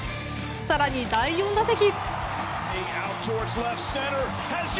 更に第４打席。